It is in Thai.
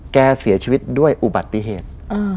เสียชีวิตด้วยอุบัติเหตุ